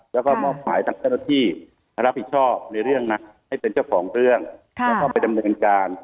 แล้วก็มอบหมายทางเจ้าหน้าที่ให้รับผิดชอบในเรื่องนะให้เป็นเจ้าของเรื่องแล้วก็ไปดำเนินการ